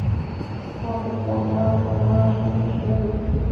خوا په خوا غاړه په غاړه خوله په خوله وې.